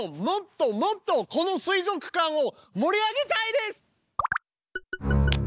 もっともっとこの水族館を盛り上げたいです！